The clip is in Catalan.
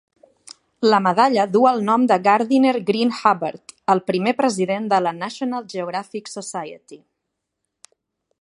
La medalla duu el nom de Gardiner Green Hubbard, el primer president de la National Geographic Society.